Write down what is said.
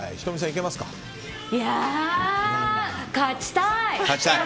いやあ、勝ちたい！